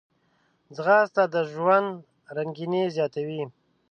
ځغاسته د ژوند رنګیني زیاتوي